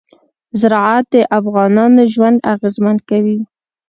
زراعت د افغانانو ژوند اغېزمن کوي.